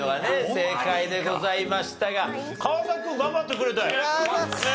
正解でございましたが川君頑張ってくれたよ。